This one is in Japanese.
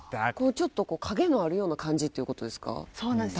ちょっと陰のあるような感じっていう事ですか？